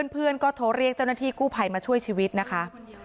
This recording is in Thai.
เพื่อนก็โทรเรียกเจ้าหน้าที่กู้ภัยมาช่วยชีวิตนะคะ